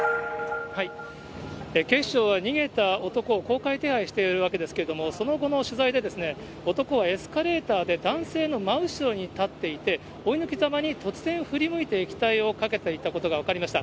警視庁は、逃げた男を公開手配しているわけですけれども、その後の取材で、男はエスカレーターで男性の真後ろに立っていて、追い抜きざまに突然、振り向いて液体をかけていたことが分かりました。